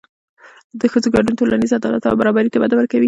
د ښځو ګډون ټولنیز عدالت او برابري ته وده ورکوي.